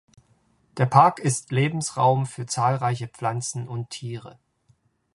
Der Park ist Lebensraum für zahlreiche Pflanzen und Tiere.